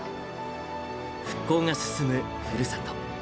復興が進むふるさと。